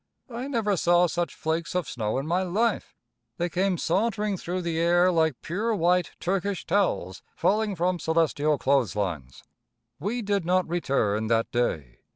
I never saw such flakes of snow in my life. They came sauntering through the air like pure, white Turkish towels falling from celestial clothes lines. We did not return that day.